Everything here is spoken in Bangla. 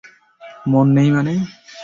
মন নেই মানে?